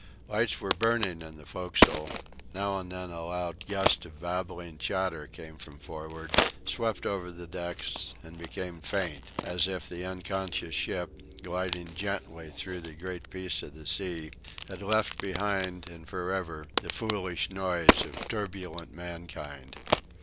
Lights were burning in the forecastle; now and then a loud gust of babbling chatter came from forward, swept over the decks, and became faint, as if the unconscious ship, gliding gently through the great peace of the sea, had left behind and for ever the foolish noise of turbulent mankind.